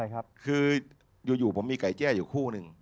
ใช่ครับคืออยู่ผมมีไก่แจ้อยู่คู่หนึ่ง